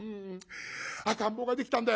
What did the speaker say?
赤ん坊ができたんだよ」。